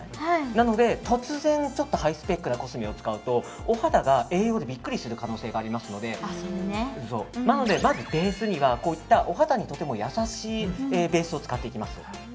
なので、突然ハイスペックなコスメを使うとお肌が栄養にビックリする可能性がありますのでまずベースにはこういったお肌にとても優しいベースを使っていきます。